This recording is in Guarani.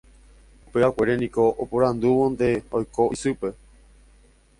Upevakuére niko oporandúvonte oiko isýpe.